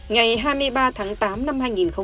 ngày hai mươi ba tháng tám năm hai nghìn hai mươi ba